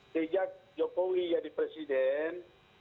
sejak jokowi jadi presiden